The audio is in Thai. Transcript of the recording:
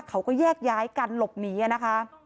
เขาก็แยกย้ายกันหลบหนีนะคะ